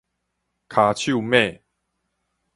跤手猛